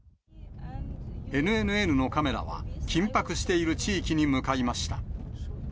ＮＮＮのカメラは、緊迫している地域に向かいました。